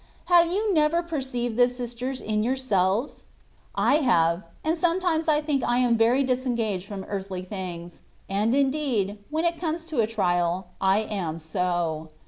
Have you never perceived this, sisters, in yourselves ? I have, and sometimes I think I am very disengaged from earthly things ; and indeed, when it comes to the trial, I am so.